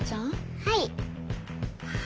はい。